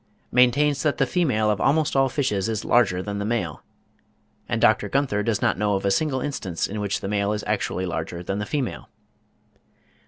maintains that the female of almost all fishes is larger than the male; and Dr. Gunther does not know of a single instance in which the male is actually larger than the female.